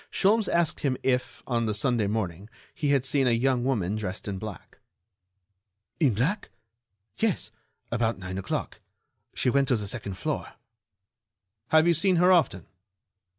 Sholmes asked him if, on the Sunday morning, he had seen a young woman dressed in black. "In black? Yes, about nine o'clock. She went to the second floor." "Have you seen her often?"